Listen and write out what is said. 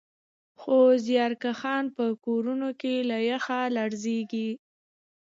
خو زیارکښان په کورونو کې له یخه لړزېږي